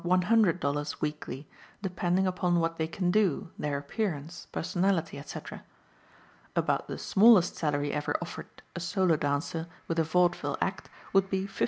00 weekly, depending upon what they can do, their appearance, personality, etc. About the smallest salary ever offered a solo dancer with a vaudeville act would be $50.